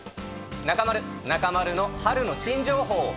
中丸、中丸の春の新情報、何それ。